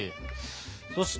そして！